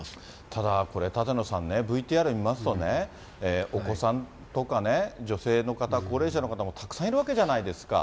ただこれ、舘野さんね、ＶＴＲ見ますとね、お子さんとかね、女性の方、高齢者の方も、たくさんいるわけじゃないですか。